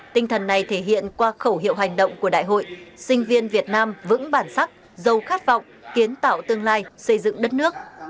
tinh thần này thể hiện qua khẩu hiệu hành động của đại hội sinh viên việt nam vững bản sắc dâu khát vọng kiến tạo tương lai xây dựng đất nước